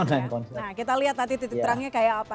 nah kita lihat nanti titik terangnya kayak apa